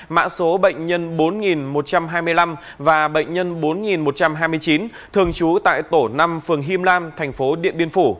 mã số bệnh nhân bốn một trăm hai mươi năm và bệnh nhân bốn một trăm hai mươi chín thường trú tại tổ năm phường him lam thành phố điện biên phủ